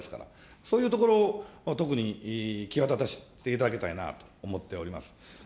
そういうところを、特に際立たせていただきたいなと思っております。